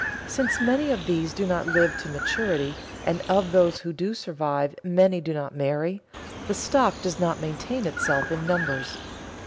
Since many of these do not live to maturity, and of those who do survive many do not marry, the stock does not maintain itself in numbers.